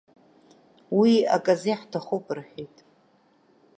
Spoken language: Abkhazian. Уи аказы иаҳҭахуп, — рҳәеит.